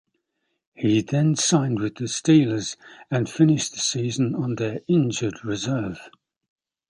He then signed with the Steelers and finished the season on their injured reserve.